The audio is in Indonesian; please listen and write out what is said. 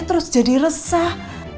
terus jadi resah